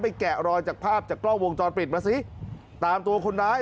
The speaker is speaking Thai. แกะรอยจากภาพจากกล้องวงจรปิดมาสิตามตัวคนร้าย